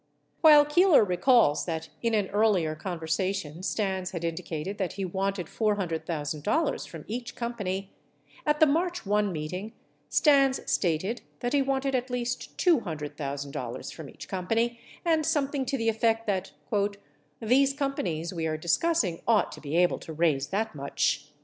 While Keeler recalls that in an earlier conversation Stans had indi cated that he wanted $400,000 from each company, at the March 1 meeting Stans stated that he wanted at least $200,000 from each com pany and something to the effect that, "These companies we are discuss ing ought to be able to raise that much."